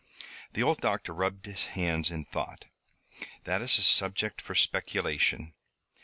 The old doctor rubbed his hands in thought. "That is a subject for speculation.